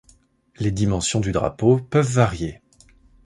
Les dimensions du drapeau peuvent varier.